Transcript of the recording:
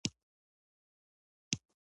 هغه ته به هیڅ ګټه ونه کړي.